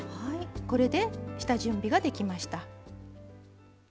これで下準備ができました。